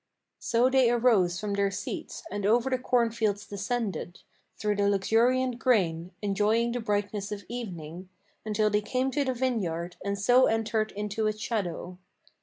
So they arose from their seats, and over the cornfields descended, Through the luxuriant grain, enjoying the brightness of evening, Until they came to the vineyard, and so entered into its shadow.